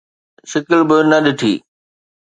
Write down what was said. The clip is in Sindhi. شڪل به نه ڏٺي